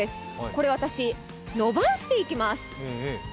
これを私、伸ばしていきます。